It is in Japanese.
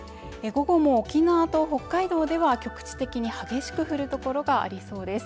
午後も昨日と北海道では局地的に激しく降る所がありそうです